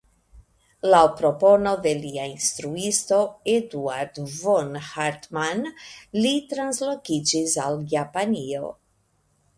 Laŭ propono de lia instruisto Eduard von Hartmann li translokiĝis al Japanio.